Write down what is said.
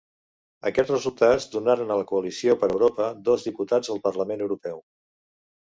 Aquests resultats donaren a la Coalició per Europa dos diputats al Parlament Europeu.